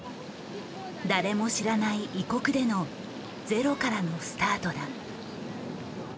誰も知らない異国でのゼロからのスタートだ。